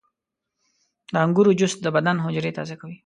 • د انګورو جوس د بدن حجرې تازه کوي.